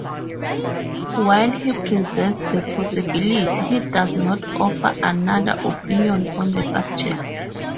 While he presents the possibility, he does not offer another opinion on the subject.